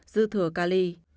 dưa thừa cali